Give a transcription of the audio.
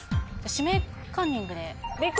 「指名カンニング」で。